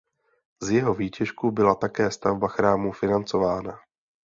Z jeho výtěžku byla také stavba chrámu financována.